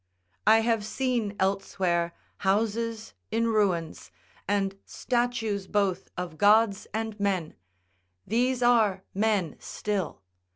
I have seen elsewhere houses in ruins, and statues both of gods and men: these are men still.